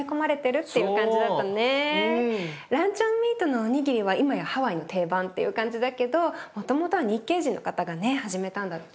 ランチョンミートのおにぎりは今やハワイの定番っていう感じだけどもともとは日系人の方が始めたんだって。